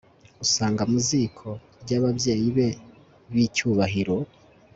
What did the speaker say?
ugasanga mu ziko ryababyeyi be b'icyubahiro